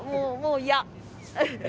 もう、いや。